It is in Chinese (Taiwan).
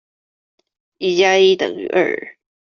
一加一等於二。